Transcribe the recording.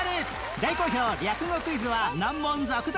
大好評略語クイズは難問続々